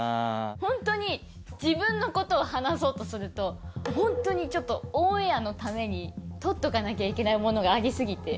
ホントに自分のことを話そうとするとホントにオンエアのために取っとかなきゃいけないものがあり過ぎて。